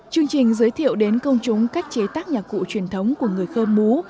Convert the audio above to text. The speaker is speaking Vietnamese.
chương trình giới thiệu đến công chúng cách chế tác nhạc cụ truyền thống của người khơ mú